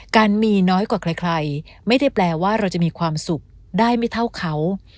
การมีน้อยกว่าใครไม่ได้แปลว่าเราจะมีความสุขได้ไม่เท่าเขา